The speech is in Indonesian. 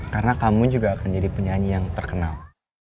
karena kamu juga akan jadi penyanyi yang terkenal